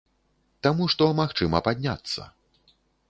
Таму што магчыма падняцца.